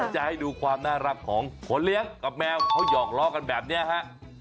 จะให้ดูความน่ารักของคนเลี้ยงกับแมวเขาหยอกล้อกันแบบนี้ฮะ